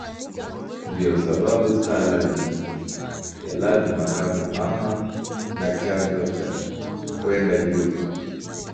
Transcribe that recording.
Ndiyo sababu sala ni ya lazima kama mama na chanzo cha kwenda juu.